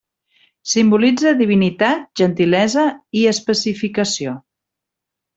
Simbolitza divinitat, gentilesa i especificació.